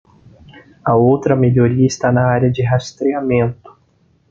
A outra melhoria está na área de rastreamento.